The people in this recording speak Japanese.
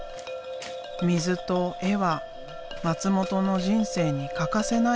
水と絵は松本の人生に欠かせない。